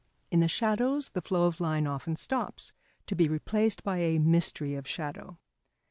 In the shadows the flow of line often stops, to be replaced by a mystery of shadow.